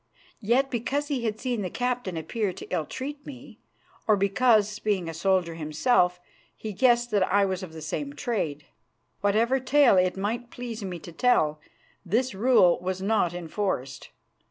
Yet because he had seen the captain appear to illtreat me, or because, being a soldier himself, he guessed that I was of the same trade, whatever tale it might please me to tell, this rule was not enforced.